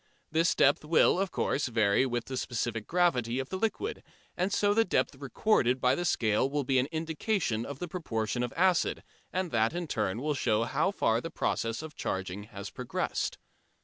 This depth will, of course, vary with the specific gravity of the liquid, and so the depth recorded by the scale will be an indication of the proportion of acid, and that in turn will show how far the process of charging has progressed.